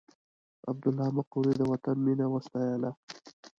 عبدالله مقري د وطن مینه وستایله.